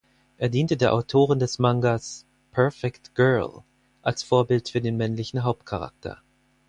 Er diente der Autorin des Mangas "Perfect Girl" als Vorbild für den männlichen Hauptcharakter.